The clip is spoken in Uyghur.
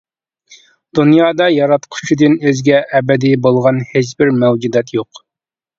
دۇنيادا ياراتقۇچىدىن ئۆزگە ئەبەدى بولغان ھېچبىر مەۋجۇدات يوق.